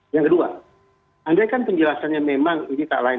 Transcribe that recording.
yang kedua andaikan penjelasannya memang ini tak lain